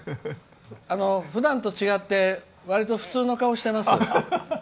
ふだんと違ってわりと普通の顔してます。